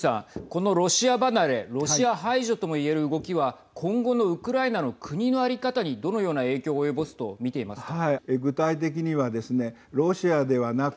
このロシア離れロシア排除ともいえる動きは今後のウクライナの国の在り方にどのような影響を及ぼすと見ていますか。